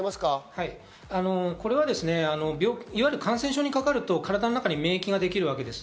これはいわゆる感染症にかかると体の中に免疫ができるわけです。